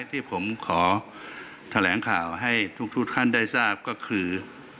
ที่ผมขอแถลงข่าวให้ทุกท่านได้ทราบก็คือ